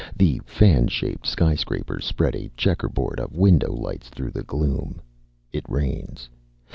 The fan shaped skyscrapers spread a checkerboard of window lights through the gloom. It rains.